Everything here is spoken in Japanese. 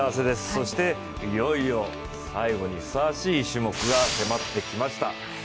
そして、いよいよ最後にふさわしい種目が迫ってきました。